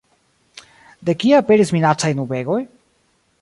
De kie aperis minacaj nubegoj?